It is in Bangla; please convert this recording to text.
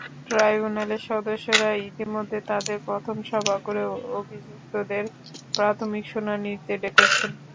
ট্রাইব্যুনালের সদস্যরা ইতিমধ্যে তাঁদের প্রথম সভা করে অভিযুক্তদের প্রাথমিক শুনানিতে ডেকেছেন।